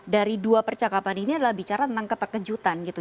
dari dua percakapan ini adalah bicara tentang keterkejutan gitu